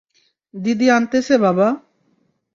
দিদি আনতেছে, বাবা।